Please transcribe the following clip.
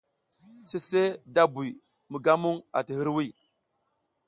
Sise da buy mi ga muƞ ati hiriwiy.